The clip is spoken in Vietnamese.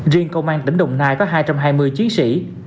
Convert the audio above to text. riêng công an tỉnh đồng nai có hai trăm hai mươi chiến sĩ